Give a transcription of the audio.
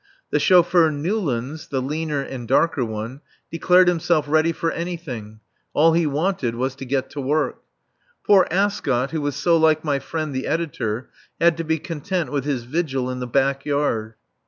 The chauffeur Newlands (the leaner and darker one) declared himself ready for anything. All he wanted was to get to work. Poor Ascot, who was so like my friend the editor, had to be content with his vigil in the back yard.